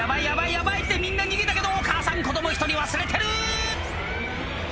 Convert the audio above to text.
ヤバいってみんな逃げたけどお母さん子供１人忘れてる！